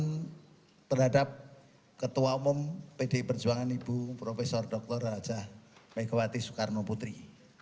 saya terima pilihan terhadap ketua umum bd perjuangan ibu prof dr raja megawati sukarno putri